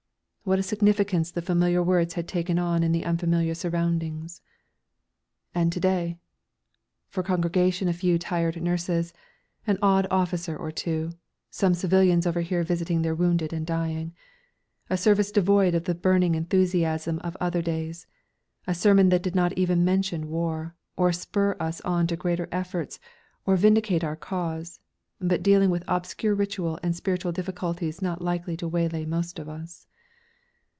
What a significance the familiar words had taken on in the unfamiliar surroundings. And to day? For congregation a few tired nurses, an odd officer or two, some civilians over here visiting their wounded and dying. A service devoid of the burning enthusiasm of other days, a sermon that did not even mention war, or spur us on to greater efforts, or vindicate our cause, but dealing with obscure ritual and spiritual difficulties not likely to waylay most of us.